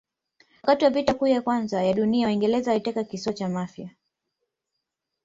wakati wa vita kuu ya kwanza ya dunia waingereza waliteka kisiwa cha mafia